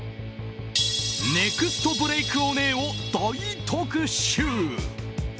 ネクストブレークオネエを大特集！